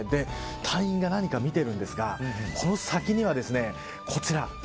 隊員が何か見ているんですがこの先にはこちら。